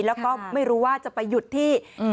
แล้วก็ไม่รู้ว่าจะไปหยุดที่